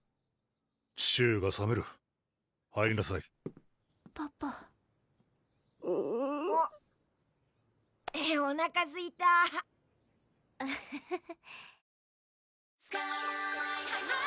チシューがさめる入りなさいパパあっおなかすいたハハハ